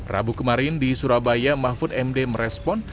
rabu kemarin di surabaya mahfud md merespon